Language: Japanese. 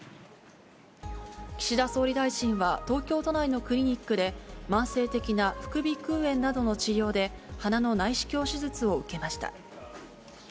岸田総理大臣は、東京都内のクリニックで、慢性的な副鼻腔炎などの治療で、鼻の内視鏡手術を受けました。